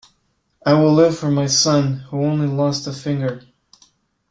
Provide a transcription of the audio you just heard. I will live for my son, who only lost a finger.